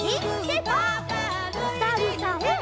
おさるさん。